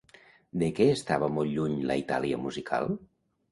De què estava molt lluny la Itàlia musical?